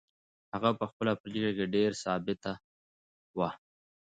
هغه په خپله پرېکړه کې ډېره ثابته وه.